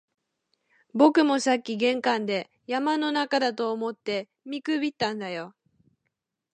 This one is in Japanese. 僕もさっき玄関で、山の中だと思って見くびったんだよ